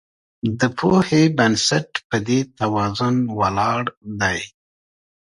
د پوهې بنسټ په دې توازن ولاړ دی.